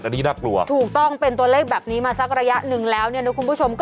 อันนี้น่ากลัวถูกต้องเป็นตัวเลขแบบนี้มาสักระยะหนึ่งแล้วเนี่ยนะคุณผู้ชม